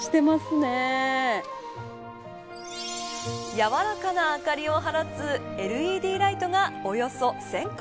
やわらかな明かりを放つＬＥＤライトがおよそ１０００個。